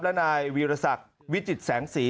และนายวีรศักดิ์วิจิตแสงสี